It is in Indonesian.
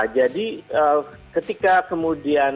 jadi ketika kemudian